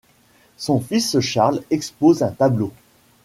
Son fils Charles expose un tableau.